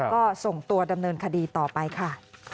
ก็ส่งตัวดำเนินคดีต่อไปค่ะ